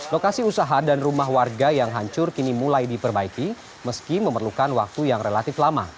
lokasi usaha dan rumah warga yang hancur kini mulai diperbaiki meski memerlukan waktu yang relatif lama